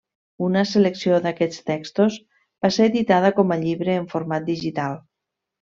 Una selecció d'aquests textos va ser editada com a llibre en format digital.